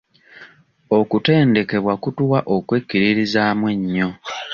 Okutendekebwa kutuwa okwekkiririzaamu ennyo.